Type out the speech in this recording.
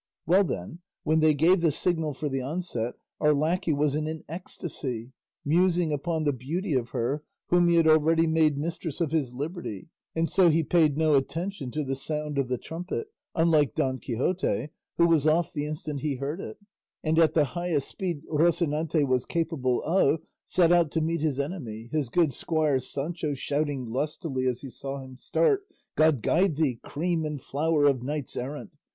Well then, when they gave the signal for the onset our lacquey was in an ecstasy, musing upon the beauty of her whom he had already made mistress of his liberty, and so he paid no attention to the sound of the trumpet, unlike Don Quixote, who was off the instant he heard it, and, at the highest speed Rocinante was capable of, set out to meet his enemy, his good squire Sancho shouting lustily as he saw him start, "God guide thee, cream and flower of knights errant!